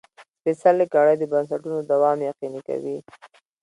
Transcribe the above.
سپېڅلې کړۍ د بنسټونو دوام یقیني کوي.